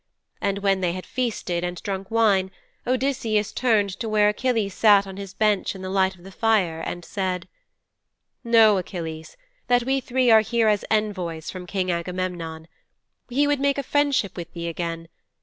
And when they had feasted and drunk wine, Odysseus turned to where Achilles sat on his bench in the light of the fire, and said: '"Know, Achilles, that we three are here as envoys from King Agamemnon. He would make a friendship with thee again.